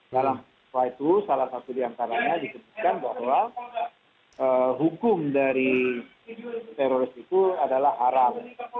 dalam hal itu salah satu di antaranya dikenakan bahwa hukum dari teroris itu adalah haram